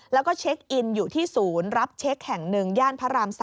แล้วก็เช็คอินอยู่ที่ศูนย์รับเช็คแห่ง๑ย่านพระราม๓